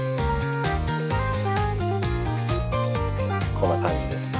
こんな感じですね。